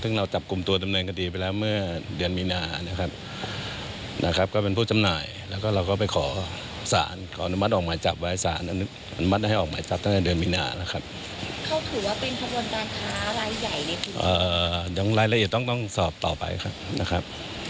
เขาอากญิตอย่างที่สุดส่วนต้องรายยังรายละเอียดต้องน้อยสอบต่อไปนะครับ